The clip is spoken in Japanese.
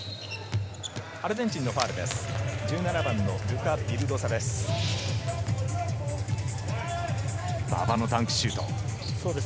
アルゼンチンのファウルです。